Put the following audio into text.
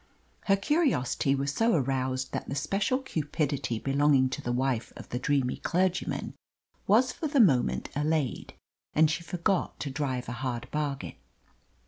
Her curiosity was so aroused that the special cupidity belonging to the wife of the dreamy clergyman was for the moment allayed, and she forgot to drive a hard bargain.